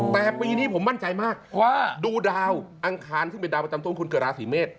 แต่ปีนี้ผมมั่นใจมากว่าดูดาวอังคารซึ่งเป็นดาวประจำต้นคุณเกิดราศีเมษ